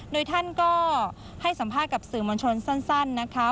โดยท่านก็ให้สัมภาษณ์กับสื่อมวลชนสั้นนะคะ